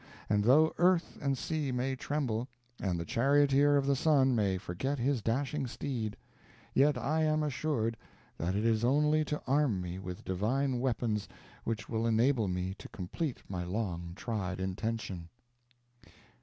And though earth and sea may tremble, and the charioteer of the sun may forget his dashing steed, yet I am assured that it is only to arm me with divine weapons which will enable me to complete my long tried intention."